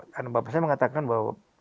karena bapak saya mengatakan bahwa